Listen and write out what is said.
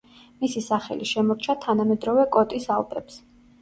მისი სახელი შემორჩა თანამედროვე კოტის ალპებს.